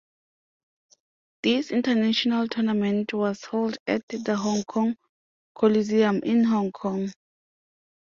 This international tournament was held at the Hong Kong Coliseum in Hong Kong.